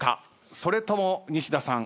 それとも西田さん